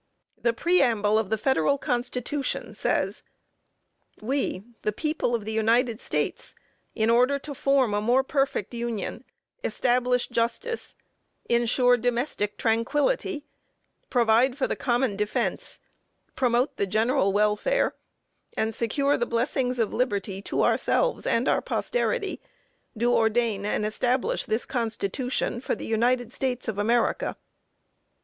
The preamble of the federal constitution says: "We, the people of the United States, in order to form a more perfect union, establish justice, insure domestic tranquility, provide for the common defence, promote the general welfare and secure the blessings of liberty to ourselves and our posterity, do ordain and establish this constitution for the United States of America."